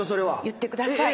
言ってください。